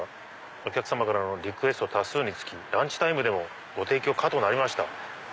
「お客様からのリクエスト多数につきランチタイムでもご提供可となりました」。